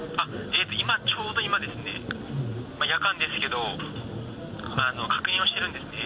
ちょうど今ですね、夜間ですけど、確認をしているんですね。